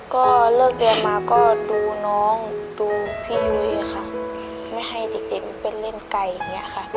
ก็เลิกเรียนมาก็ดูน้องดูพี่ยุ้ยค่ะไม่ให้เด็กไปเล่นไก่อย่างนี้ค่ะ